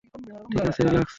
ঠিক আছে রিল্যাক্স।